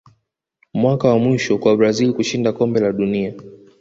mwaka wa mwisho kwa brazil kushinda kombe la dunia